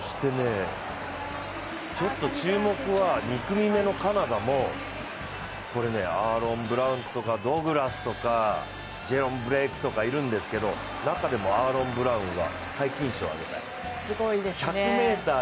注目は２組目のカナダもアーロン・ブラウンとかド・グラスとかジェロム・ブレークとかいるんですけど、中でもアーロン・ブラウンは皆勤賞をあげたい。